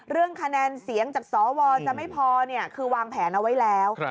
เรื่องคะแนนเสียงจากสวจะไม่พอคือวางแผนเอาไว้แล้ว